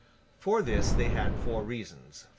For this they had four reasons.